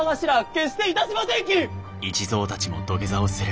決していたしませんき！